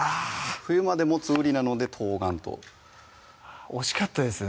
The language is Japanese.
冬までもつ瓜なので冬瓜と惜しかったですね